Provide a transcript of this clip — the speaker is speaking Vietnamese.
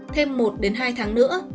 thêm một hai tháng nữa